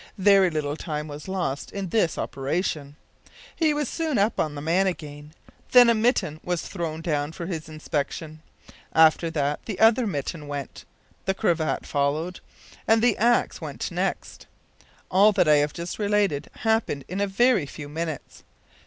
Very little time was lost in this operation. He was soon up with the man again; then a mitten was thrown down for his inspection. After that the other mitten went, the cravat followed, and the axe went next. All that I have just related happened in a very few minutes.